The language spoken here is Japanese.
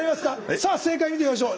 さあ正解見てみましょう。